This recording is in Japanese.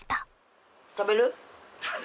食べる？